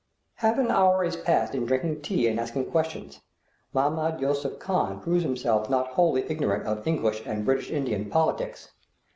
Half an hour is passed in drinking tea and asking questions. Mahmoud Yusuph Khan proves himself not wholly ignorant of English and British Indian politics.